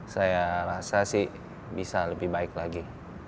saya rasa sih bisa lebih baik lagi